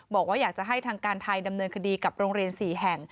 บอกว่าอยากจะให้ทางการไทยดำเนินคดีกับโรงเรียน๔แห่ง